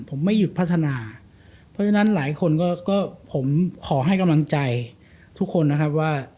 ผมไม่หยุดพัฒนาเพราะฉะนั้นหลายคนก็ผมขอให้กำลังใจทุกคนนะครับว่า